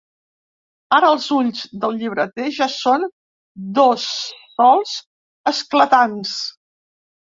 Ara els ulls del llibreter ja són dos sols esclatants.